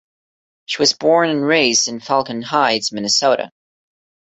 She was born and raised in Falcon Heights, Minnesota.